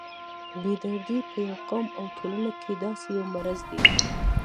بې دردي په یو قوم او ټولنه کې داسې یو مرض دی.